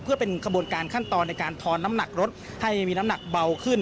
เพื่อเป็นกระบวนการขั้นตอนในการทอนน้ำหนักรถให้มีน้ำหนักเบาขึ้น